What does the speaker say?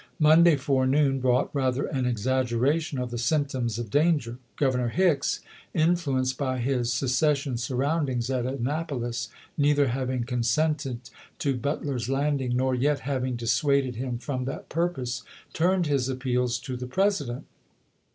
Mon day forenoon brought rather an exaggeration of the symptoms of danger. Governor Hicks, influ enced by his secession surroundings at Annapolis, neither having consented to Butler's landing nor yet having dissuaded him from that purpose, turned his appeals to the President.